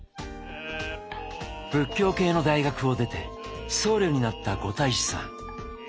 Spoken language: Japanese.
仏教系の大学を出て僧侶になった五太子さん。